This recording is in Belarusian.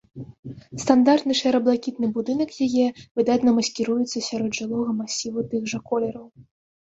Стандартны шэра-блакітны будынак яе выдатна маскіруецца сярод жылога масіву тых жа колераў.